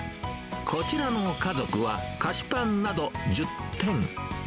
こちらの家族は、菓子パンなど１０点。